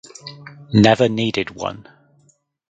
Never needed one.